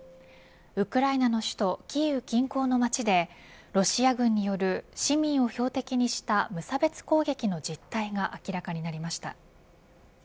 ウクライナの首都キーウ近郊の街でロシア軍による市民を標的にした無差別攻撃の実態が明らかになりました。